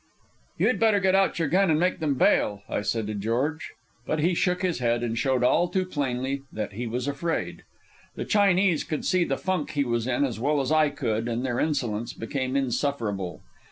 "You'd better get out your gun and make them bail," I said to George. But he shook his head and showed all too plainly that he was afraid. The Chinese could see the funk he was in as well as I could, and their insolence became insufferable.